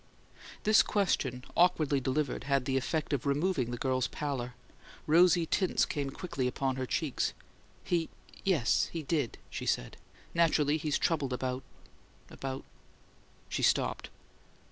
This question, awkwardly delivered, had the effect of removing the girl's pallor; rosy tints came quickly upon her cheeks. "He yes, he did," she said. "Naturally, he's troubled about about " She stopped.